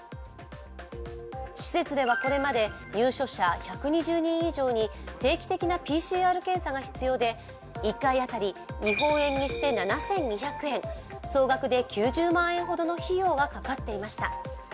施設ではこれまで入所者１２０人以上に定期的なＰＣＲ検査が必要で１回当たり日本円にして７２００円、総額で９０万円の費用がかかっていました。